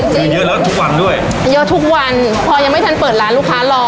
เยอะแล้วทุกวันด้วยเยอะทุกวันพอยังไม่ทันเปิดร้านลูกค้ารอ